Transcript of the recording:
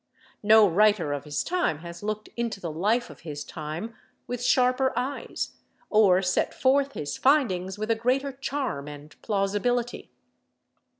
No writer of his time has looked into the life of his time with sharper eyes, or set forth his findings with a greater charm and plausibility.